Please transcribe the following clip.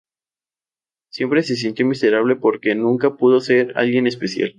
Siempre se sintió miserable porque nunca pudo ser alguien "especial".